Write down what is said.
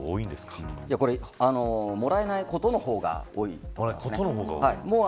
もらえないことの方が多いです。